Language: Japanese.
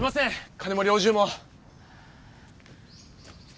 金も猟銃も。